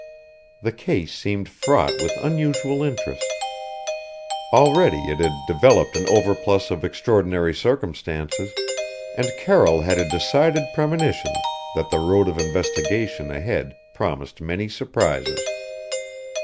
The case seemed fraught with unusual interest. Already it had developed an overplus of extraordinary circumstances, and Carroll had a decided premonition that the road of investigation ahead promised many surprises.